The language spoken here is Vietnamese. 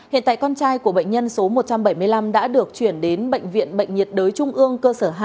hiện tại con trai của bệnh nhân số một trăm bảy mươi năm đã được chuyển đến bệnh viện bệnh nhiệt đới trung ương cơ sở hai